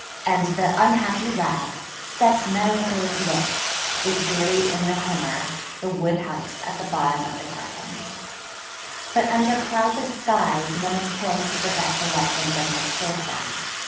And the 'Unhappy rag' 'cette malheureuse loque,' was buried in the hangar, the wood house at the bottom of the garden. But under cloudless skies one is prone to forget the lessons of misfortune.